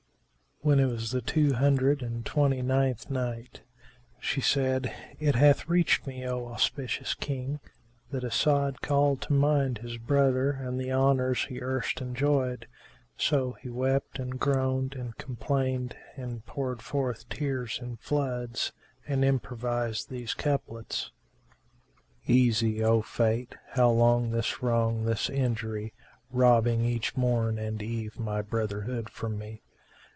When it was the Two Hundred and Twenty ninth Night, She said, It hath reached me, O auspicious King, that As'ad called to mind his brother and the honours he erst enjoyed; so he wept and groaned and complained and poured forth tears in floods and improvised these couplets, "Easy, O Fate! how long this wrong, this injury, * Robbing each morn and eve my brotherhood fro' me?